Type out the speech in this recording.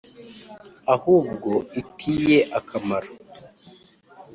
Ahubwo i tiye akamaro